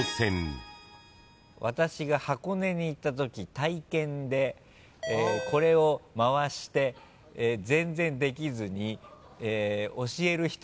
私が箱根に行ったとき体験でこれを回して全然できずに教える人に怒られました。